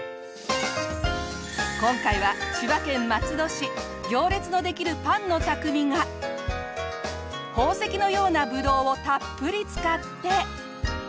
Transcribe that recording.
今回は千葉県松戸市行列のできるパンの匠が宝石のようなぶどうをたっぷり使って。